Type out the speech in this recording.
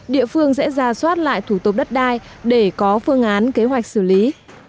địa phương sẽ ra soát lại thủ tục đất đai để có phương án kế hoạch xử lý